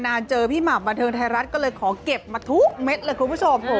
เจอพี่หม่ำบันเทิงไทยรัฐก็เลยขอเก็บมาทุกเม็ดเลยคุณผู้ชม